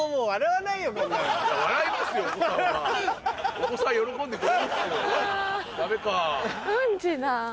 お子さん喜んでくれますよダメか。